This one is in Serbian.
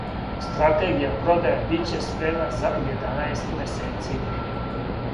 Стратегија продаје биће спремна за једанаест месеци.